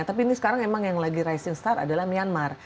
tapi ini sekarang memang yang lagi rising star adalah myanmar